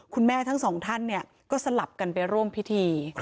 คุณแม่ทั้งสองท่านเนี่ยก็สลับกันไปร่วมพิธี